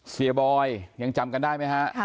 เสียบอยยังจำกันได้ไหมฮะ